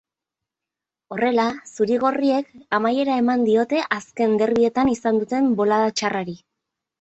Horrela, zuri-gorriek amaiera eman diote azken derbietan izan duten bolada txarrari.